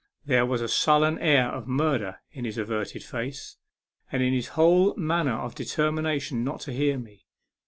There was the sullen air of murder in his averted face, and in his whole manner of determination not to hear me.